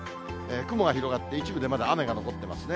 雲が広がって、一部でまだ雨が残っていますね。